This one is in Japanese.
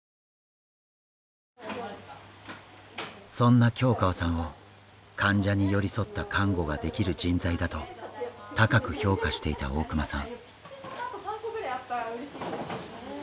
そんな京河さんを患者に寄り添った看護ができる人材だと高く評価していた大熊さん。